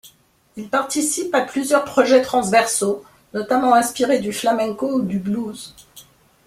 Il participe à plusieurs projets transversaux, notamment inspirés du flamenco ou du blues.